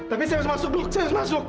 tapi saya harus masuk dok saya harus masuk